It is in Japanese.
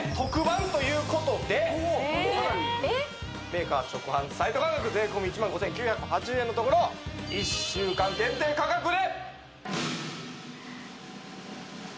メーカー直販サイト価格税込１万５９８０円のところ１週間限定価格で！